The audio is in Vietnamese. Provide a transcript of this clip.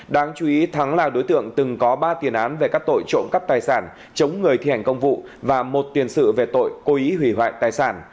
đáng chú ý thắng là đối tượng từng có ba tiền án về các tội trộm cắp tài sản chống người thi hành công vụ và một tiền sự về tội cố ý hủy hoại tài sản